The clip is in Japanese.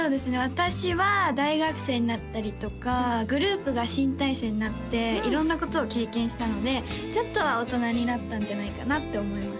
私は大学生になったりとかグループが新体制になって色んなことを経験したのでちょっとは大人になったんじゃないかなって思います